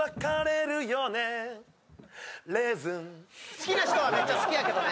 好きな人はめっちゃ好きやけどね。